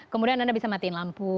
kemudian anda bisa matiin lampu